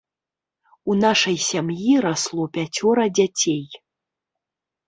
У нашай сям'і расло пяцёра дзяцей.